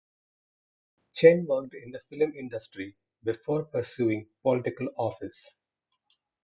Chen worked in the film industry before pursuing political office.